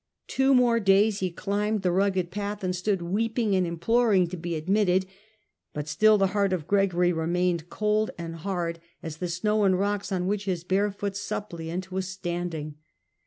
Two more days he climbed the rugged path, and stood weeping and imploring to be admitted, but still the heart of Gregory remained cold and hard as the snow and rocks on which his barefoot suppliant was I30 HiLDEBRAND standing.